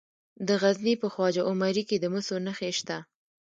د غزني په خواجه عمري کې د مسو نښې شته.